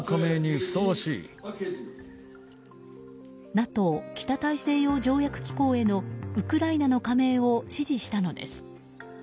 ＮＡＴＯ・北大西洋条約機構へのウクライナの加盟を支持したのです。